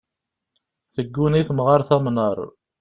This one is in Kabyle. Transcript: Tegguni temɣart amnar.